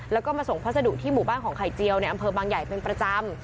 แล้วก็มาส่งพัสดุที่หมู่บ้านของไข่เจียวในอำเภอบางใหญ่เป็นประจำ